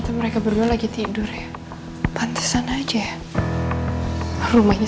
sampai jumpa di video selanjutnya